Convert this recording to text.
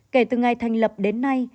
kể từ ngày thành lập đến nay